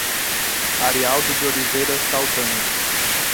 Arialdo de Oliveira Saldanha